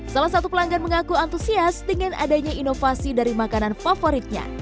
salah satu pelanggan mengaku antusias dengan adanya inovasi dari makanan favoritnya